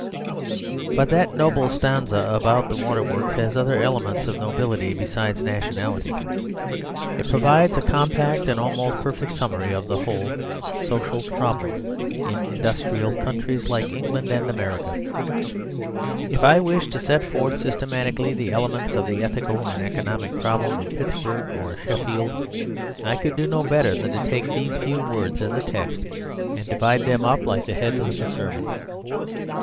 But that noble stanza about the water works has other elements of nobility besides nationality. It provides a compact and almost perfect summary of the whole social problem in industrial countries like England and America. If I wished to set forth systematically the elements of the ethical and economic problem in Pittsburg or Sheffield, I could not do better than take these few words as a text, and divide them up like the heads of a sermon.